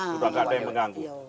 sudah tidak ada yang mengganggu